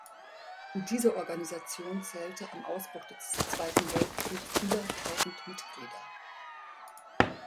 Diese Organisation zählte am Ausbruch des Zweiten Weltkriegs über tausend Mitglieder.